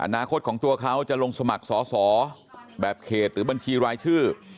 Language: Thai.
อนาคตของตัวเขาจะลงสมัครสอสอแบบเขตหรือบัญชีรายชื่อ